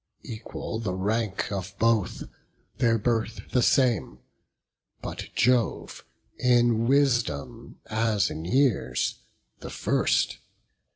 Equal the rank of both, their birth the same, But Jove in wisdom, as in years, the first.